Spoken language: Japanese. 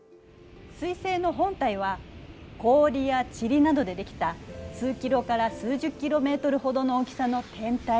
彗星の本体は氷や塵などでできた数キロから数十キロメートルほどの大きさの天体。